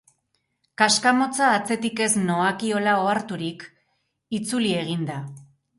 Kaskamotza atzetik ez noakiola oharturik, itzuli egin da.